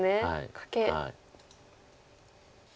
カケ。